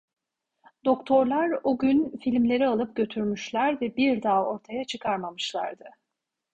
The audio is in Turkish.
Doktorlar o gün filmleri alıp götürmüşler ve bir daha ortaya çıkarmamışlardı.